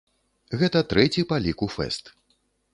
Гэта трэці па ліку фэст.